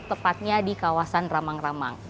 tepatnya di kawasan ramang ramang